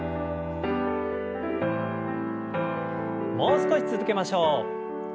もう少し続けましょう。